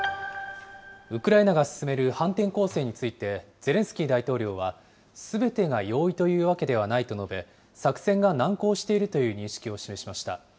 ウクライナが進める反転攻勢について、ゼレンスキー大統領はすべてが容易というわけではないと述べ、作戦が難航しているという認識を示しました。